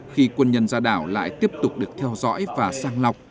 khi quân nhân ra đảo lại tiếp tục được theo dõi và sang lọc